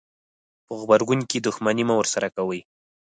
په غبرګون کې دښمني مه ورسره کوئ.